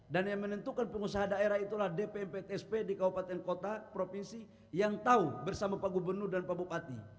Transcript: dan yang menentukan pengusaha daerah itulah dpp tsp di kabupaten kota provinsi yang tahu bersama pak gubernur dan pak bupati